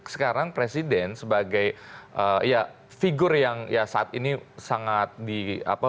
sekarang presiden sebagai ya figur yang ya saat ini sangat di apa